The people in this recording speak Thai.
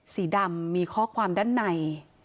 สีดำมีข้อความด้านใน